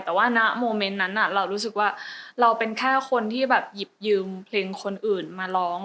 แต่ว่าณโมเมนต์นั้นเรารู้สึกว่าเราเป็นแค่คนที่แบบหยิบยืมเพลงคนอื่นมาร้อง